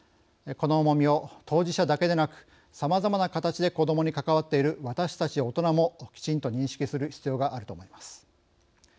この重みを当事者だけでなくさまざまな形で子どもに関わっている私たち大人もきちんと認識する必要があると思います。